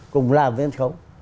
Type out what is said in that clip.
cùng làm về sân khấu